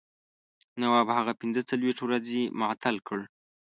نواب هغه پنځه څلوېښت ورځې معطل کړ.